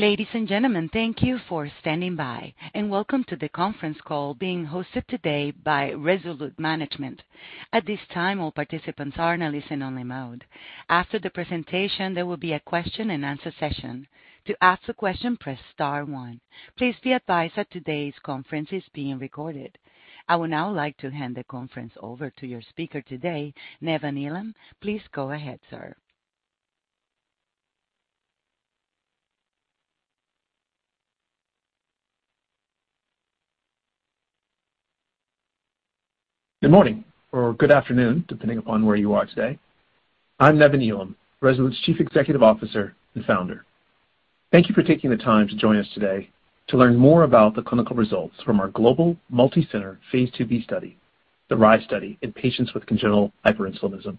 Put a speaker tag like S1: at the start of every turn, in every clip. S1: Ladies and gentlemen, thank you for standing by, and welcome to the conference call being hosted today by Rezolute Management. At this time, all participants are in a listen only mode. After the presentation, there will be a question and answer session. To ask a question, press star one. Please be advised that today's conference is being recorded. I would now like to hand the conference over to your speaker today, Nevan Elam. Please go ahead, sir.
S2: Good morning or good afternoon, depending upon where you are today. I'm Nevan Elam, Rezolute's Chief Executive Officer and Founder. Thank you for taking the time to join us today to learn more about the clinical results from our global multicenter Phase 2b study, the RIZE study in patients with congenital hyperinsulinism.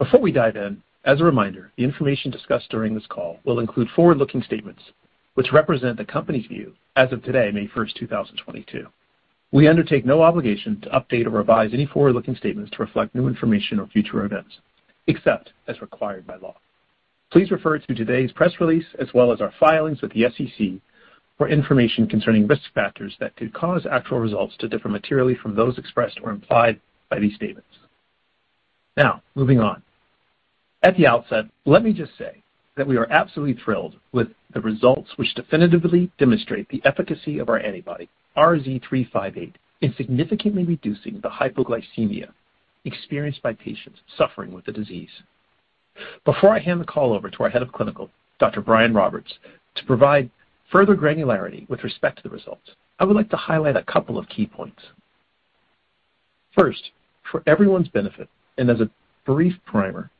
S2: Before we dive in, as a reminder, the information discussed during this call will include forward-looking statements which represent the Company's view as of today, May 1, 2022. We undertake no obligation to update or revise any forward-looking statements to reflect new information or future events, except as required by law. Please refer to today's press release, as well as our filings with the SEC for information concerning risk factors that could cause actual results to differ materially from those expressed or implied by these statements. Now moving on. At the outset, let me just say that we are absolutely thrilled with the results, which definitively demonstrate the efficacy of our antibody, RZ358, in significantly reducing the hypoglycemia experienced by patients suffering with the disease. Before I hand the call over to our Head of Clinical, Dr. Brian Roberts, to provide further granularity with respect to the results, I would like to highlight a couple of key points. First, for everyone's benefit, and as a brief primer,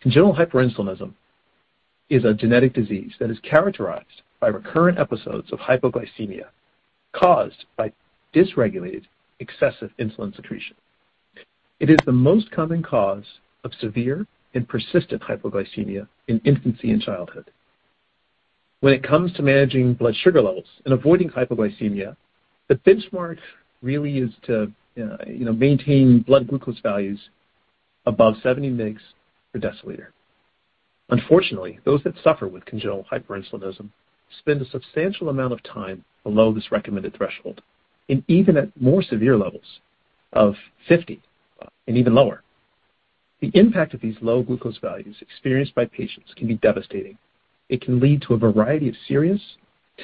S2: congenital hyperinsulinism is a genetic disease that is characterized by recurrent episodes of hypoglycemia caused by dysregulated excessive insulin secretion. It is the most common cause of severe and persistent hypoglycemia in infancy and childhood. When it comes to managing blood sugar levels and avoiding hypoglycemia, the benchmark really is to, you know, maintain blood glucose values above 70 mg/dL. Unfortunately, those that suffer with congenital hyperinsulinism spend a substantial amount of time below this recommended threshold and even at more severe levels of 50 and even lower. The impact of these low glucose values experienced by patients can be devastating. It can lead to a variety of serious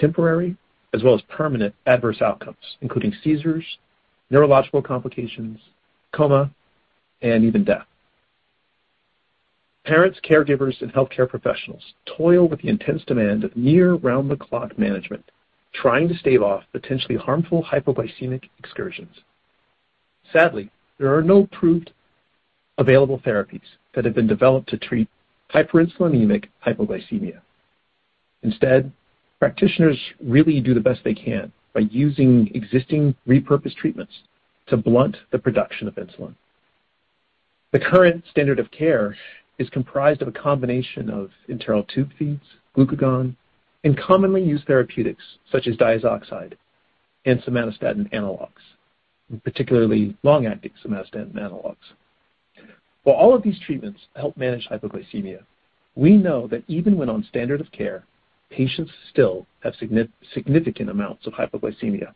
S2: temporary as well as permanent adverse outcomes, including seizures, neurological complications, coma, and even death. Parents, caregivers, and healthcare professionals toil with the intense demand of near round-the-clock management, trying to stave off potentially harmful hypoglycemic excursions. Sadly, there are no approved available therapies that have been developed to treat hyperinsulinemic hypoglycemia. Instead, practitioners really do the best they can by using existing repurposed treatments to blunt the production of insulin. The current standard of care is comprised of a combination of enteral tube feeds, glucagon, and commonly used therapeutics such as diazoxide and somatostatin analogs, and particularly long-acting somatostatin analogs. While all of these treatments help manage hypoglycemia, we know that even when on standard of care, patients still have significant amounts of hypoglycemia.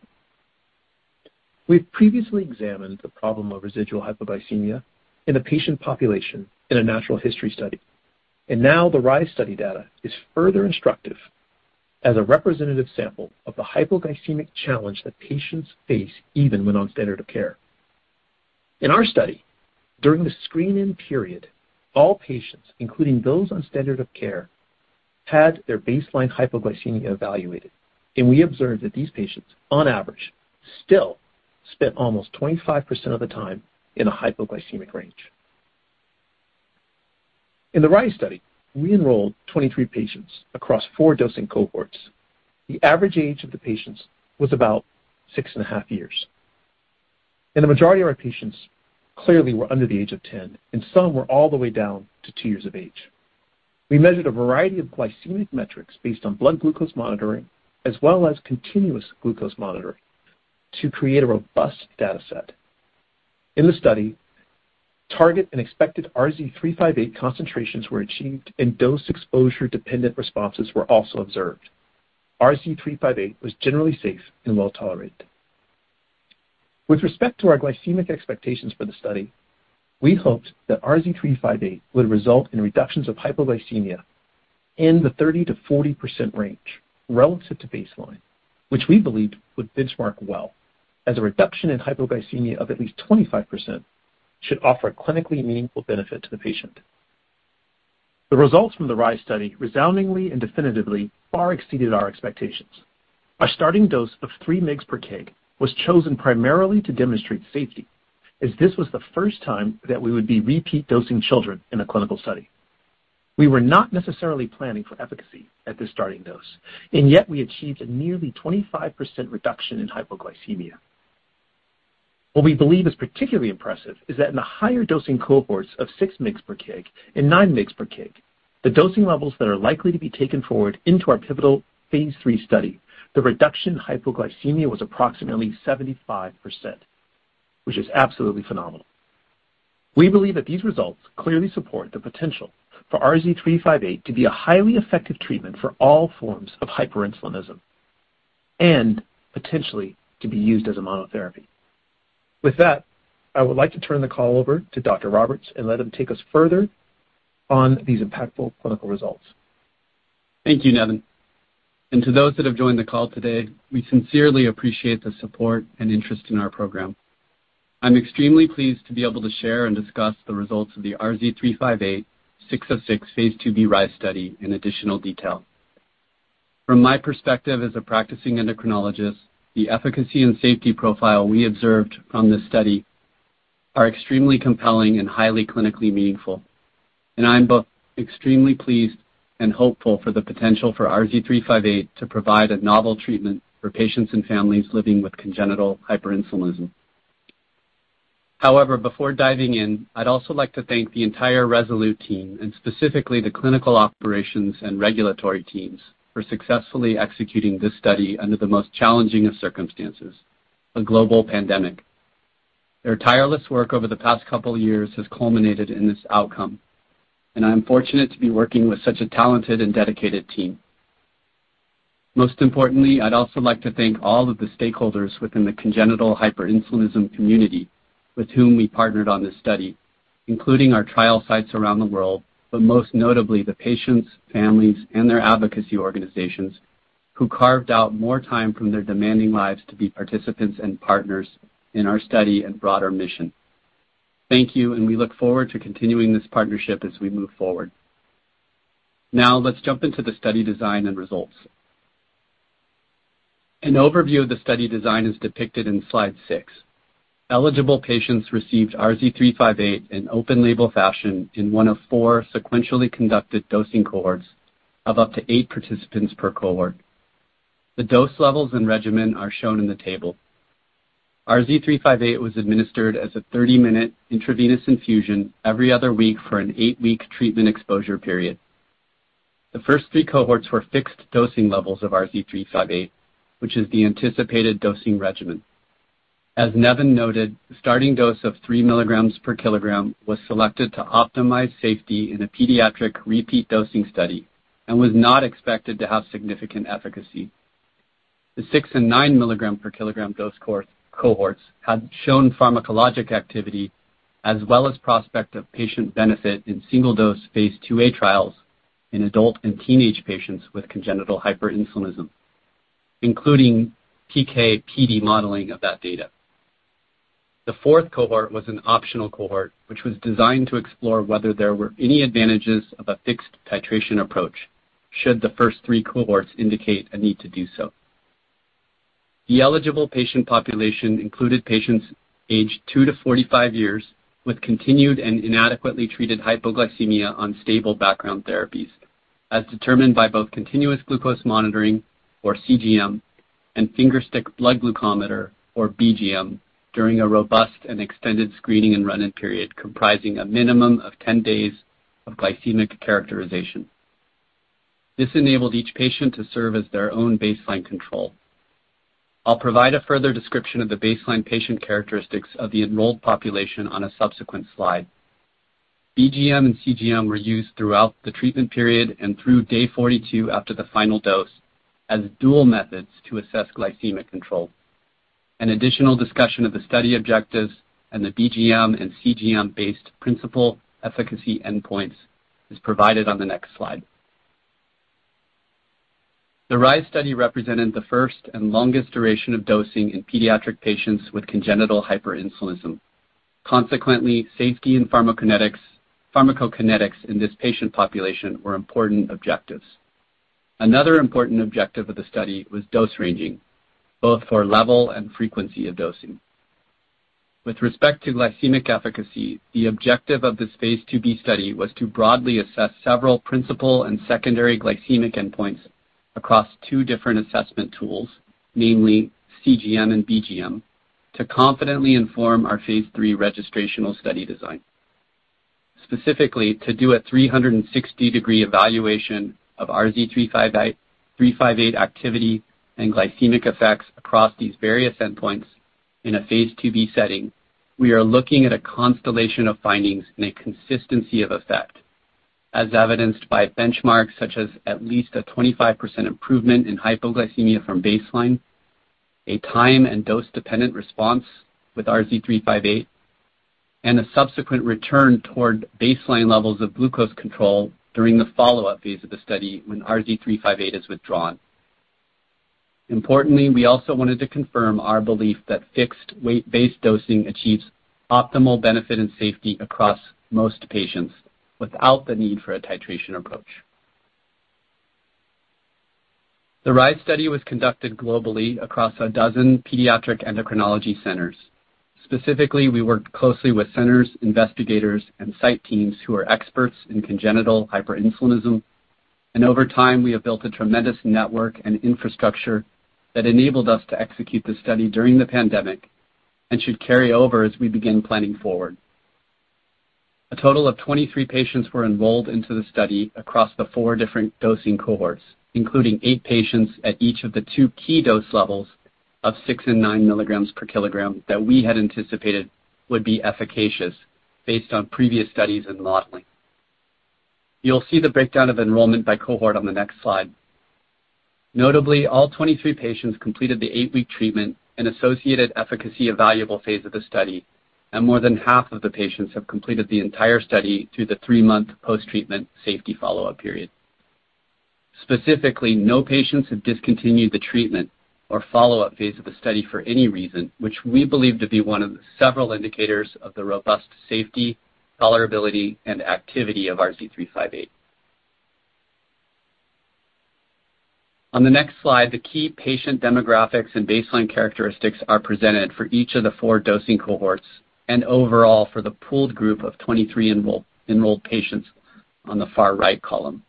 S2: We've previously examined the problem of residual hypoglycemia in a patient population in a natural history study. Now the RIZE study data is further instructive as a representative sample of the hypoglycemic challenge that patients face even when on standard of care. In our study, during the screen-in period, all patients, including those on standard of care, had their baseline hypoglycemia evaluated, and we observed that these patients, on average, still spent almost 25% of the time in a hypoglycemic range. In the RIZE study, we enrolled 23 patients across four dosing cohorts. The average age of the patients was about 6.5 years. The majority of our patients clearly were under the age of 10, and some were all the way down to two years of age. We measured a variety of glycemic metrics based on blood glucose monitoring as well as continuous glucose monitoring to create a robust data set. In the study, target and expected RZ358 concentrations were achieved and dose exposure dependent responses were also observed. RZ358 was generally safe and well tolerated. With respect to our glycemic expectations for the study, we hoped that RZ358 would result in reductions of hypoglycemia in the 30%-40% range relative to baseline, which we believed would benchmark well as a reduction in hypoglycemia of at least 25% should offer a clinically meaningful benefit to the patient. The results from the RIZE study resoundingly and definitively far exceeded our expectations. A starting dose of three mg per kg was chosen primarily to demonstrate safety, as this was the first time that we would be repeat dosing children in a clinical study. We were not necessarily planning for efficacy at this starting dose, and yet we achieved a nearly 25% reduction in hypoglycemia. What we believe is particularly impressive is that in the higher dosing cohorts of six mg per kg and nine mg per kg, the dosing levels that are likely to be taken forward into our pivotal phase three study, the reduction in hypoglycemia was approximately 75%, which is absolutely phenomenal. We believe that these results clearly support the potential for RZ358 to be a highly effective treatment for all forms of hyperinsulinism and potentially to be used as a monotherapy. With that, I would like to turn the call over to Dr. Roberts and let him take us further on these impactful clinical results.
S3: Thank you, Nevan. To those that have joined the call today, we sincerely appreciate the support and interest in our program. I'm extremely pleased to be able to share and discuss the results of the RZ358 uncertain Phase 2b RIZE study in additional detail. From my perspective as a practicing endocrinologist, the efficacy and safety profile we observed from this study are extremely compelling and highly clinically meaningful. I am both extremely pleased and hopeful for the potential for RZ358 to provide a novel treatment for patients and families living with congenital hyperinsulinism. However, before diving in, I'd also like to thank the entire Rezolute team and specifically the clinical operations and regulatory teams for successfully executing this study under the most challenging of circumstances, a global pandemic. Their tireless work over the past couple years has culminated in this outcome, and I'm fortunate to be working with such a talented and dedicated team. Most importantly, I'd also like to thank all of the stakeholders within the congenital hyperinsulinism community with whom we partnered on this study, including our trial sites around the world, but most notably, the patients, families, and their advocacy organizations who carved out more time from their demanding lives to be participants and partners in our study and broader mission. Thank you, and we look forward to continuing this partnership as we move forward. Now let's jump into the study design and results. An overview of the study design is depicted in slide six. Eligible patients received RZ358 in open label fashion in one of four sequentially conducted dosing cohorts of up to eight participants per cohort. The dose levels and regimen are shown in the table. RZ358 was administered as a 30-minute intravenous infusion every other week for an eight-week treatment exposure period. The first three cohorts were fixed dosing levels of RZ358, which is the anticipated dosing regimen. As Nevan noted, the starting dose of three milligrams per kilogram was selected to optimize safety in a pediatric repeat dosing study and was not expected to have significant efficacy. The six and nine milligram per kilogram dose cohorts had shown pharmacologic activity as well as prospect of patient benefit in single-dose Phase 2a trials in adult and teenage patients with congenital hyperinsulinism, including PK/PD modeling of that data. The fourth cohort was an optional cohort, which was designed to explore whether there were any advantages of a fixed titration approach should the first three cohorts indicate a need to do so. The eligible patient population included patients aged two to 45 years with continued and inadequately treated hypoglycemia on stable background therapies as determined by both continuous glucose monitoring or CGM and finger stick blood glucometer or BGM during a robust and extended screening and run-in period comprising a minimum of 10 days of glycemic characterization. This enabled each patient to serve as their own baseline control. I'll provide a further description of the baseline patient characteristics of the enrolled population on a subsequent slide. BGM and CGM were used throughout the treatment period and through day 42 after the final dose as dual methods to assess glycemic control. An additional discussion of the study objectives and the BGM and CGM based principal efficacy endpoints is provided on the next slide. The RIZE study represented the first and longest duration of dosing in pediatric patients with congenital hyperinsulinism. Consequently, safety and pharmacokinetics in this patient population were important objectives. Another important objective of the study was dose ranging, both for level and frequency of dosing. With respect to glycemic efficacy, the objective of this Phase 2b study was to broadly assess several principal and secondary glycemic endpoints across two different assessment tools, namely CGM and BGM, to confidently inform our Phase three registrational study design. Specifically, to do a 360-degree evaluation of RZ358, uncertain activity and glycemic effects across these various endpoints in a phase 2b setting, we are looking at a constellation of findings and a consistency of effect as evidenced by benchmarks such as at least a 25% improvement in hypoglycemia from baseline, a time and dose-dependent response with RZ358, and a subsequent return toward baseline levels of glucose control during the follow-up phase of the study when RZ358 is withdrawn. Importantly, we also wanted to confirm our belief that fixed weight-based dosing achieves optimal benefit and safety across most patients without the need for a titration approach. The RIZE study was conducted globally across 12 pediatric endocrinology centers. Specifically, we worked closely with centers, investigators, and site teams who are experts in congenital hyperinsulinism. Over time, we have built a tremendous network and infrastructure that enabled us to execute the study during the pandemic and should carry over as we begin planning forward. A total of 23 patients were enrolled into the study across the four different dosing cohorts, including eight patients at each of the two key dose levels of six and nine milligrams per kilogram that we had anticipated would be efficacious based on previous studies and modeling. You'll see the breakdown of enrollment by cohort on the next slide. Notably, all 23 patients completed the 8-week treatment and associated efficacy evaluable phase of the study, and more than half of the patients have completed the entire study through the three-month post-treatment safety follow-up period. Specifically, no patients have discontinued the treatment or follow-up phase of the study for any reason, which we believe to be one of several indicators of the robust safety, tolerability, and activity of RZ358. On the next slide, the key patient demographics and baseline characteristics are presented for each of the four dosing cohorts and overall for the pooled group of 23 enrolled patients on the far right column.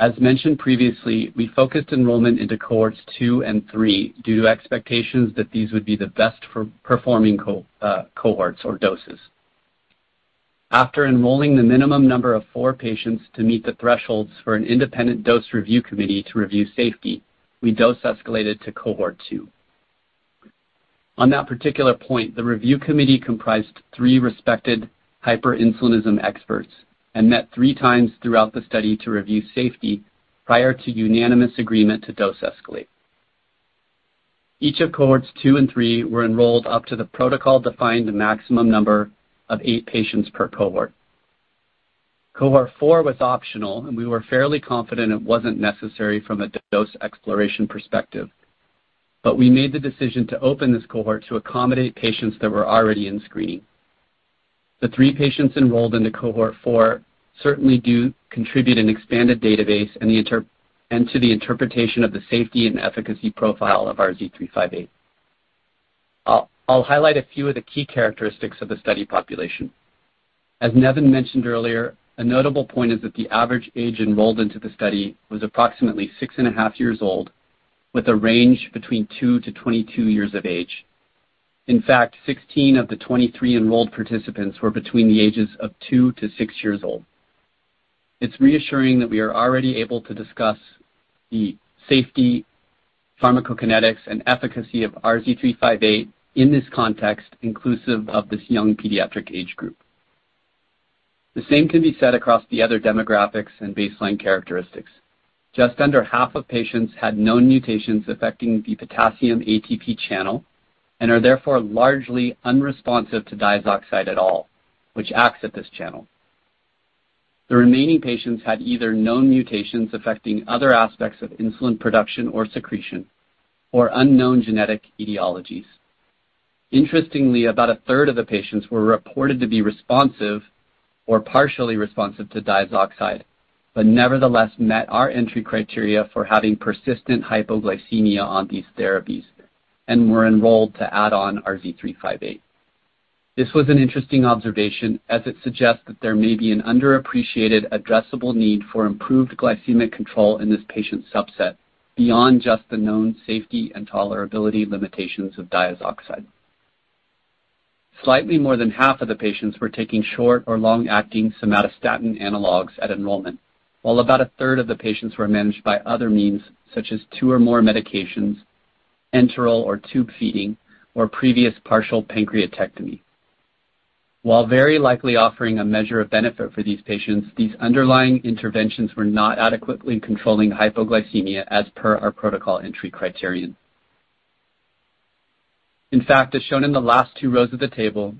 S3: As mentioned previously, we focused enrollment into cohorts two and three due to expectations that these would be the best for performing cohorts or doses. After enrolling the minimum number of four patients to meet the thresholds for an independent dose review committee to review safety, we dose escalated to cohort two. On that particular point, the review committee comprised three respected hyperinsulinism experts and met three times throughout the study to review safety prior to unanimous agreement to dose escalate. Each of Cohorts two and three were enrolled up to the protocol defined maximum number of eight patients per cohort. Cohort four was optional, and we were fairly confident it wasn't necessary from a dose exploration perspective. We made the decision to open this cohort to accommodate patients that were already in screening. The three patients enrolled in the Cohort four certainly do contribute an expanded database and to the interpretation of the safety and efficacy profile of RZ358. I'll highlight a few of the key characteristics of the study population. As Nevan mentioned earlier, a notable point is that the average age enrolled into the study was approximately 6.5 years old, with a range between 2-22 years of age. In fact, 16 of the 23 enrolled participants were between the ages of two to six years old. It's reassuring that we are already able to discuss the safety, pharmacokinetics, and efficacy of RZ358 in this context, inclusive of this young pediatric age group. The same can be said across the other demographics and baseline characteristics. Just under half of patients had known mutations affecting the potassium ATP channel and are therefore largely unresponsive to diazoxide at all, which acts at this channel. The remaining patients had either known mutations affecting other aspects of insulin production or secretion or unknown genetic etiologies. Interestingly, about a third of the patients were reported to be responsive or partially responsive to diazoxide, but nevertheless met our entry criteria for having persistent hypoglycemia on these therapies and were enrolled to add on RZ358. This was an interesting observation as it suggests that there may be an underappreciated addressable need for improved glycemic control in this patient subset beyond just the known safety and tolerability limitations of diazoxide. Slightly more than half of the patients were taking short or long-acting somatostatin analogs at enrollment, while about a third of the patients were managed by other means, such as two or more medications, enteral or tube feeding, or previous partial pancreatectomy. While very likely offering a measure of benefit for these patients, these underlying interventions were not adequately controlling hypoglycemia as per our protocol entry criterion. In fact, as shown in the last two rows of the table,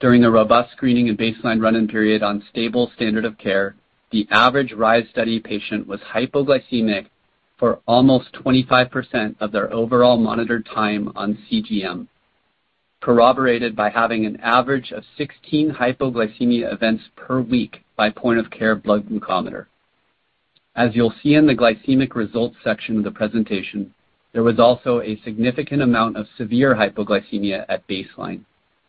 S3: during a robust screening and baseline run-in period on stable standard of care, the average RIZE study patient was hypoglycemic for almost 25% of their overall monitored time on CGM, corroborated by having an average of 16 hypoglycemia events per week by point-of-care blood glucometer. As you'll see in the glycemic results section of the presentation, there was also a significant amount of severe hypoglycemia at baseline,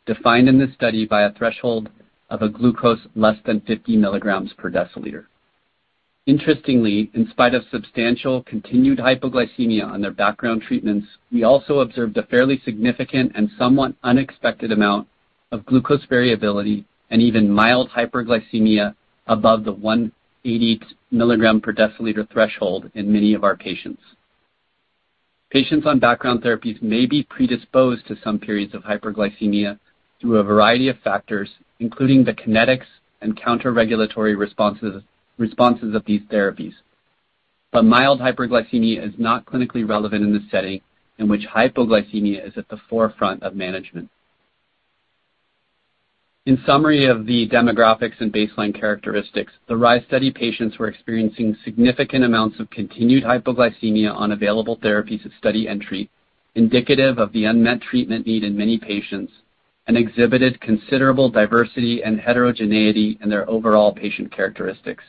S3: defined in this study by a threshold of a glucose less than 50 milligrams per deciliter. Interestingly, in spite of substantial continued hypoglycemia on their background treatments, we also observed a fairly significant and somewhat unexpected amount of glucose variability and even mild hyperglycemia above the 180 milligram per deciliter threshold in many of our patients. Patients on background therapies may be predisposed to some periods of hyperglycemia through a variety of factors, including the kinetics and counterregulatory responses of these therapies. Mild hyperglycemia is not clinically relevant in this setting in which hypoglycemia is at the forefront of management. In summary of the demographics and baseline characteristics, the RIZE study patients were experiencing significant amounts of continued hypoglycemia on available therapies of study entry, indicative of the unmet treatment need in many patients and exhibited considerable diversity and heterogeneity in their overall patient characteristics.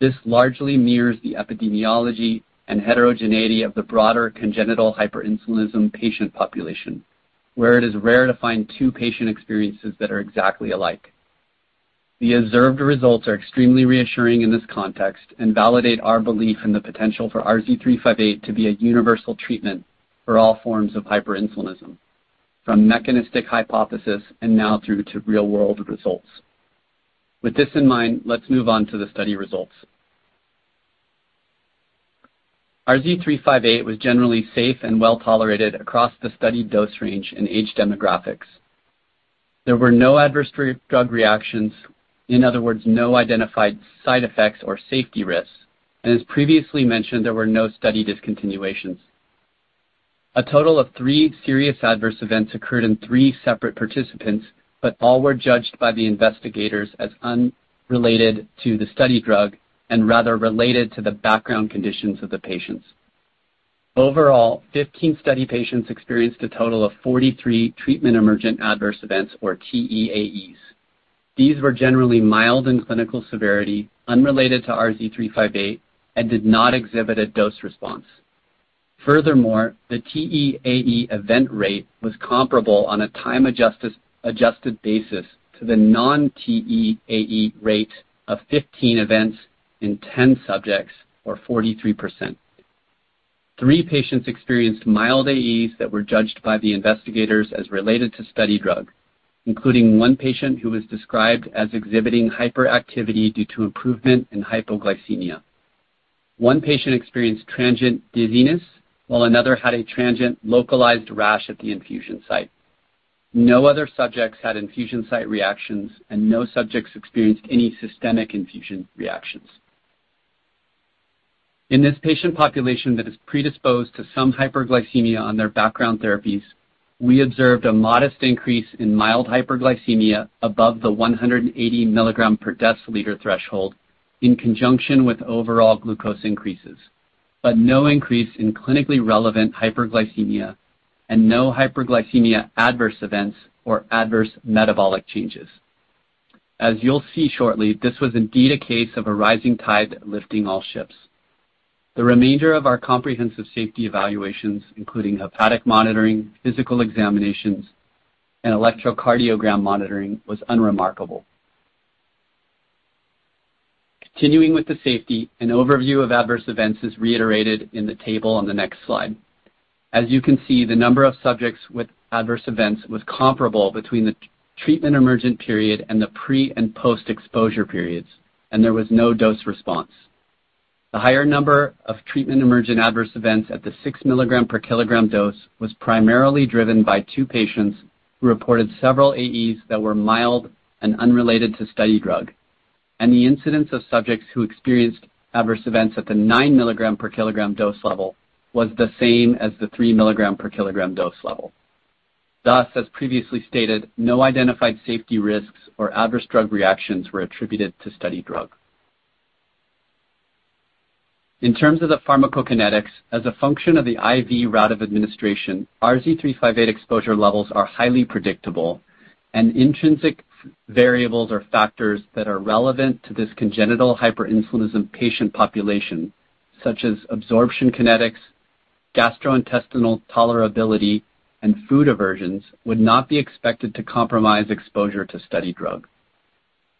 S3: This largely mirrors the epidemiology and heterogeneity of the broader congenital hyperinsulinism patient population, where it is rare to find two patient experiences that are exactly alike. The observed results are extremely reassuring in this context and validate our belief in the potential for RZ358 to be a universal treatment for all forms of hyperinsulinism, from mechanistic hypothesis and now through to real-world results. With this in mind, let's move on to the study results. RZ358 was generally safe and well-tolerated across the studied dose range in age demographics. There were no adverse drug reactions. In other words, no identified side effects or safety risks. As previously mentioned, there were no study discontinuations. A total of three serious adverse events occurred in three separate participants, but all were judged by the investigators as unrelated to the study drug and rather related to the background conditions of the patients. Overall, 15 study patients experienced a total of 43 treatment emergent adverse events, or TEAEs. These were generally mild in clinical severity, unrelated to RZ358, and did not exhibit a dose response. Furthermore, the TEAE event rate was comparable on a time-adjusted basis to the non-TEAE rate of 15 events in 10 subjects, or 43%. three patients experienced mild AEs that were judged by the investigators as related to study drug, including one patient who was described as exhibiting hyperactivity due to improvement in hypoglycemia. One patient experienced transient dizziness, while another had a transient localized rash at the infusion site. No other subjects had infusion site reactions, and no subjects experienced any systemic infusion reactions. In this patient population that is predisposed to some hyperglycemia on their background therapies, we observed a modest increase in mild hyperglycemia above the 180 milligram per deciliter threshold in conjunction with overall glucose increases, but no increase in clinically relevant hyperglycemia and no hyperglycemia adverse events or adverse metabolic changes. As you'll see shortly, this was indeed a case of a rising tide lifting all ships. The remainder of our comprehensive safety evaluations, including hepatic monitoring, physical examinations, and electrocardiogram monitoring, was unremarkable. Continuing with the safety, an overview of adverse events is reiterated in the table on the next slide. As you can see, the number of subjects with adverse events was comparable between the treatment emergent period and the pre and post-exposure periods, and there was no dose response. The higher number of treatment emergent adverse events at the six milligram per kilogram dose was primarily driven by two patients who reported several AEs that were mild and unrelated to study drug, and the incidence of subjects who experienced adverse events at the nine milligram per kilogram dose level was the same as the three milligram per kilogram dose level. Thus, as previously stated, no identified safety risks or adverse drug reactions were attributed to study drug. In terms of the pharmacokinetics, as a function of the IV route of administration, RZ358 exposure levels are highly predictable, and intrinsic variables or factors that are relevant to this congenital hyperinsulinism patient population, such as absorption kinetics, gastrointestinal tolerability, and food aversions, would not be expected to compromise exposure to study drug.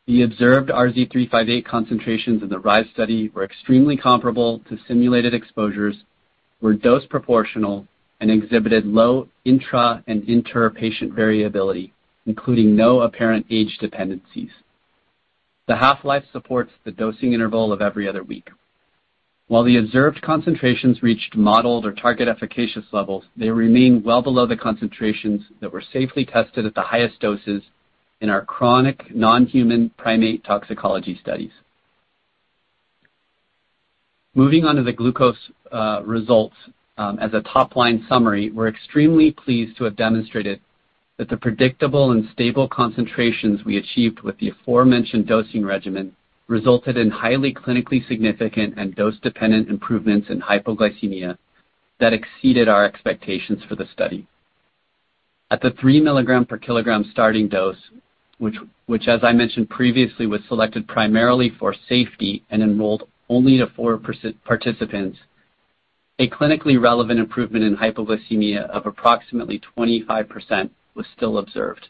S3: The observed RZ358 concentrations in the RIZE study were extremely comparable to simulated exposures, were dose proportional, and exhibited low intra and inter-patient variability, including no apparent age dependencies. The half-life supports the dosing interval of every other week. While the observed concentrations reached modeled or target efficacious levels, they remain well below the concentrations that were safely tested at the highest doses in our chronic non-human primate toxicology studies. Moving on to the glucose results, as a top-line summary, we're extremely pleased to have demonstrated that the predictable and stable concentrations we achieved with the aforementioned dosing regimen resulted in highly clinically significant and dose-dependent improvements in hypoglycemia that exceeded our expectations for the study. At the three mg/kg starting dose, which as I mentioned previously, was selected primarily for safety and enrolled only four participants, a clinically relevant improvement in hypoglycemia of approximately 25% was still observed.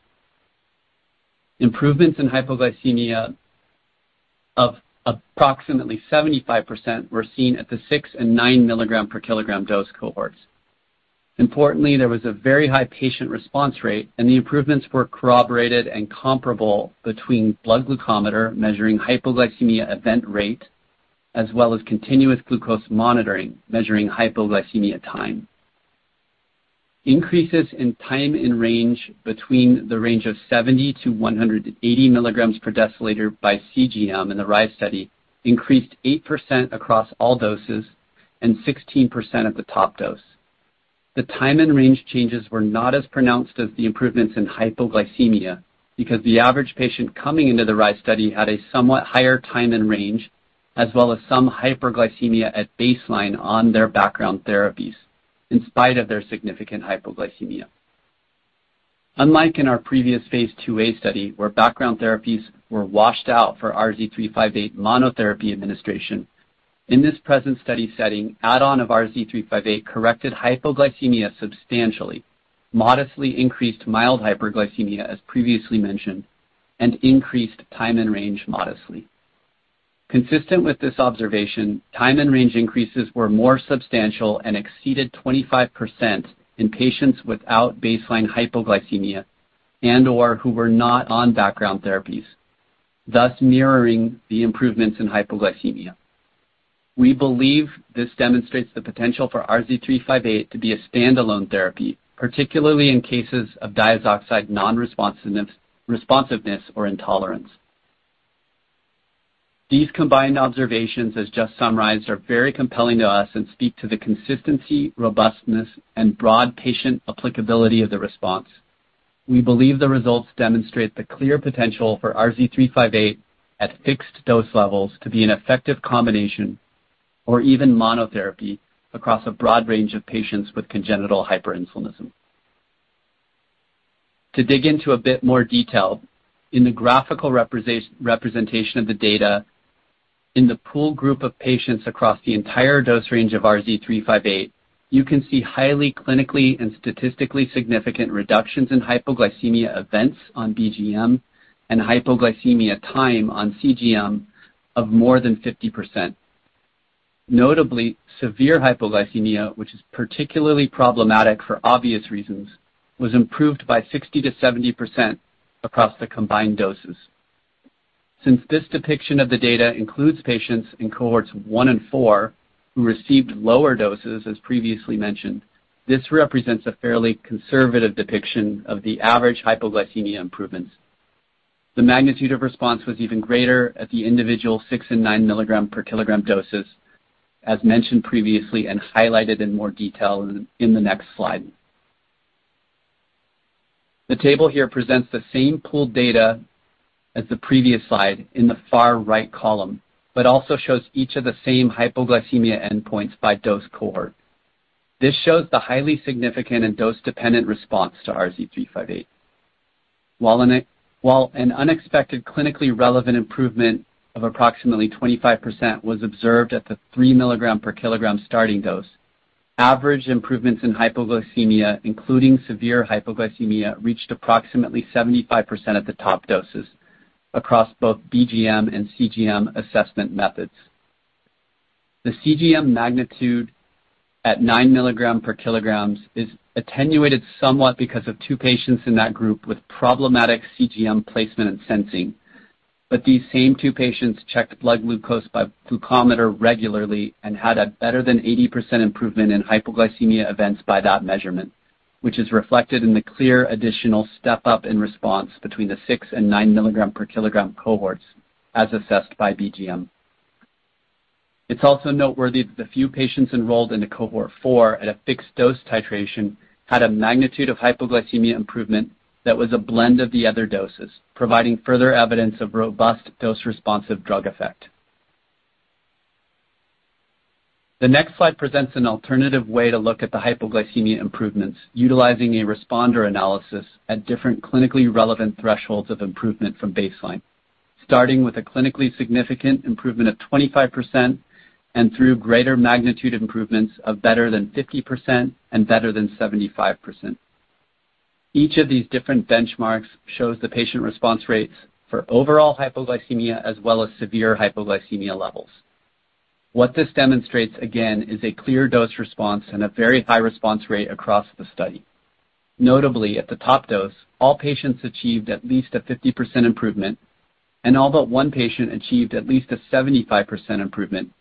S3: Improvements in hypoglycemia of approximately 75% were seen at the six and nine mg/kg dose cohorts. Importantly, there was a very high patient response rate, and the improvements were corroborated and comparable between blood glucometer, measuring hypoglycemia event rate, as well as continuous glucose monitoring, measuring hypoglycemia time. Increases in time in range, between the range of 70-180 mg/dL by CGM in the RIZE study increased 8% across all doses and 16% at the top dose. The time and range changes were not as pronounced as the improvements in hypoglycemia because the average patient coming into the RIZE study had a somewhat higher time and range, as well as some hyperglycemia at baseline on their background therapies, in spite of their significant hypoglycemia. Unlike in our previous Phase 2a study, where background therapies were washed out for RZ358 monotherapy administration, in this present study setting, add-on of RZ358 corrected hypoglycemia substantially, modestly increased mild hyperglycemia, as previously mentioned, and increased time and range modestly. Consistent with this observation, time and range increases were more substantial and exceeded 25% in patients without baseline hypoglycemia and/or who were not on background therapies, thus mirroring the improvements in hypoglycemia. We believe this demonstrates the potential for RZ358 to be a standalone therapy, particularly in cases of diazoxide non-responsiveness, responsiveness or intolerance. These combined observations, as just summarized, are very compelling to us and speak to the consistency, robustness and broad patient applicability of the response. We believe the results demonstrate the clear potential for RZ358 at fixed dose levels to be an effective combination or even monotherapy across a broad range of patients with congenital hyperinsulinism. To dig into a bit more detail, in the graphical representation of the data in the pool group of patients across the entire dose range of RZ358, you can see highly, clinically and statistically significant reductions in hypoglycemia events on BGM and hypoglycemia time on CGM of more than 50%. Notably, severe hypoglycemia, which is particularly problematic for obvious reasons, was improved by 60%-70% across the combined doses. Since this depiction of the data includes patients in cohorts one and four who received lower doses as previously mentioned, this represents a fairly conservative depiction of the average hypoglycemia improvements. The magnitude of response was even greater at the individual six and nine mg/kg doses as mentioned previously and highlighted in more detail in the next slide. The table here presents the same pooled data as the previous slide in the far right column, but also shows each of the same hypoglycemia endpoints by dose cohort. This shows the highly significant and dose-dependent response to RZ358. While an unexpected clinically relevant improvement of approximately 25% was observed at the three mg/kg starting dose, average improvements in hypoglycemia, including severe hypoglycemia, reached approximately 75% at the top doses across both BGM and CGM assessment methods. The CGM magnitude at nine milligrams per kilogram is attenuated somewhat because of two patients in that group with problematic CGM placement and sensing. These same two patients checked blood glucose by glucometer regularly and had a better than 80% improvement in hypoglycemia events by that measurement, which is reflected in the clear additional step up in response between the six and nine milligrams per kilogram cohorts as assessed by BGM. It's also noteworthy that the few patients enrolled into cohort four at a fixed dose titration had a magnitude of hypoglycemia improvement that was a blend of the other doses, providing further evidence of robust dose-responsive drug effect. The next slide presents an alternative way to look at the hypoglycemia improvements, utilizing a responder analysis at different clinically relevant thresholds of improvement from baseline, starting with a clinically significant improvement of 25% and through greater magnitude improvements of better than 50% and better than 75%. Each of these different benchmarks shows the patient response rates for overall hypoglycemia as well as severe hypoglycemia levels. What this demonstrates again is a clear dose response and a very high response rate across the study. Notably, at the top dose, all patients achieved at least a 50% improvement, and all but one patient achieved at least a 75% improvement,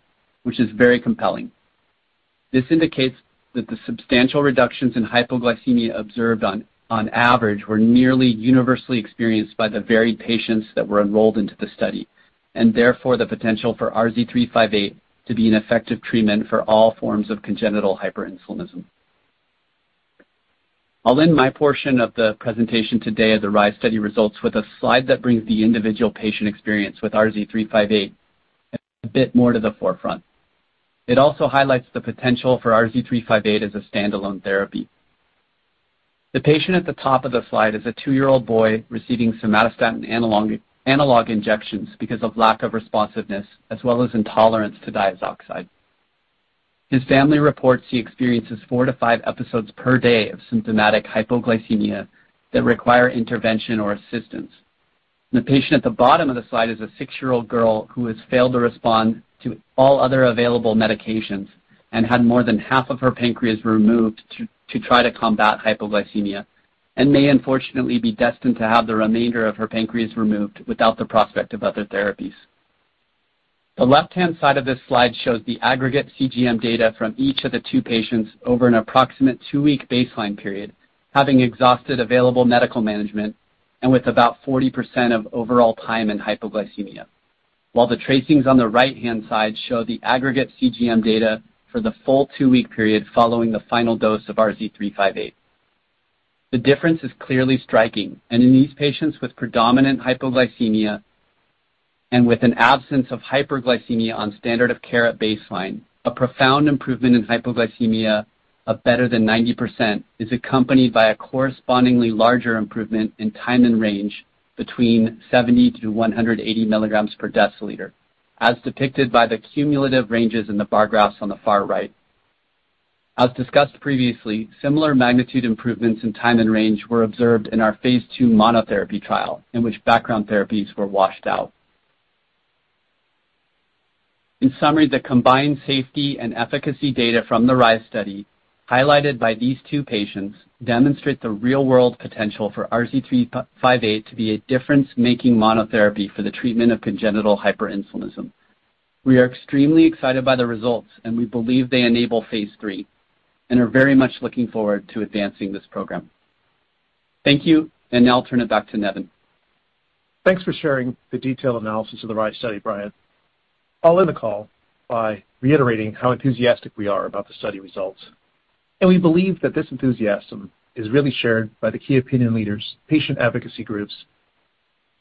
S3: which is very compelling. This indicates that the substantial reductions in hypoglycemia observed on average were nearly universally experienced by the very patients that were enrolled into the study, and therefore the potential for RZ358 to be an effective treatment for all forms of congenital hyperinsulinism. I'll end my portion of the presentation today of the RIZE study results with a slide that brings the individual patient experience with RZ358 a bit more to the forefront. It also highlights the potential for RZ358 as a standalone therapy. The patient at the top of the slide is a 2-year-old boy receiving somatostatin analog injections because of lack of responsiveness as well as intolerance to diazoxide. His family reports he experiences 4-5 episodes per day of symptomatic hypoglycemia that require intervention or assistance. The patient at the bottom of the slide is a six-year-old girl who has failed to respond to all other available medications and had more than half of her pancreas removed to try to combat hypoglycemia and may unfortunately be destined to have the remainder of her pancreas removed without the prospect of other therapies. The left-hand side of this slide shows the aggregate CGM data from each of the two patients over an approximate two-week baseline period, having exhausted available medical management and with about 40% of overall time in hypoglycemia. While the tracings on the right-hand side show the aggregate CGM data for the full two-week period following the final dose of RZ358. The difference is clearly striking. In these patients with predominant hypoglycemia and with an absence of hyperglycemia on standard of care at baseline, a profound improvement in hypoglycemia of better than 90% is accompanied by a correspondingly larger improvement in time in range between 70-180 milligrams per deciliter, as depicted by the cumulative ranges in the bar graphs on the far right. As discussed previously, similar magnitude improvements in time in range were observed in our phase two monotherapy trial in which background therapies were washed out. In summary, the combined safety and efficacy data from the RIZE study highlighted by these two patients demonstrate the real-world potential for RZ358 to be a difference-making monotherapy for the treatment of congenital hyperinsulinism. We are extremely excited by the results and we believe they enable phase three and are very much looking forward to advancing this program. Thank you, and now I'll turn it back to Nevan.
S2: Thanks for sharing the detailed analysis of the RIZE study, Brian. I'll end the call by reiterating how enthusiastic we are about the study results, and we believe that this enthusiasm is really shared by the key opinion leaders, patient advocacy groups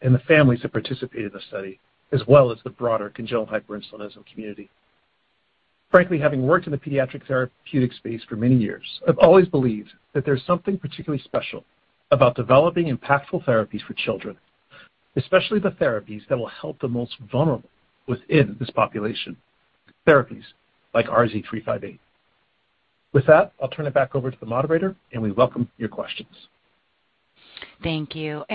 S2: and the families that participated in the study, as well as the broader congenital hyperinsulinism community. Frankly, having worked in the pediatric therapeutic space for many years, I've always believed that there's something particularly special about developing impactful therapies for children, especially the therapies that will help the most vulnerable within this population, therapies like RZ358. With that, I'll turn it back over to the moderator, and we welcome your questions.
S1: Thank you.